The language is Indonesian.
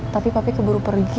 tapi papi keburu pergi